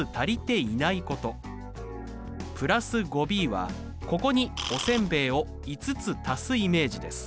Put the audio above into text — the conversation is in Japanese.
＋５ｂはここにおせんべいを５つ足すイメージです。